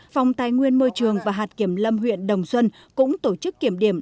phòng tài nguyên môi trường và hạt kiểm lâm huyện đồng xuân cũng tổ chức kiểm điểm